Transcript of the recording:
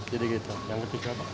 jadi gitu yang ketiga apa